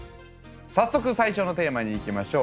早速最初のテーマにいきましょう。